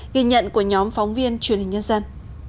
ghi nhận của nhóm phóng viên truyền hình nhân dân